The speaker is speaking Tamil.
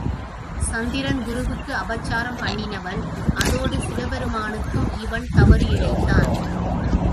சந்திரன் குருவுக்கு அபசாரம் பண்ணினவன் அதோடு சிவபிரானுக்கும் இவன் தவறு இழைத்தான்.